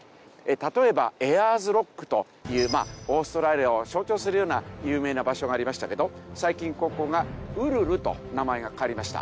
例えばエアーズロックというオーストラリアを象徴するような有名な場所がありましたけど最近ここが「ウルル」と名前が変わりました。